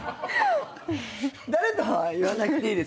誰とは言わなくていいですよ。